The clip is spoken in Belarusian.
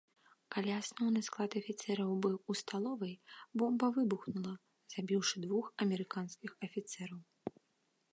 Калі асноўны склад афіцэраў быў у сталовай, бомба выбухнула, забіўшы двух амерыканскіх афіцэраў.